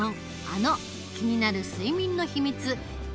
あの気になる睡眠のひみつ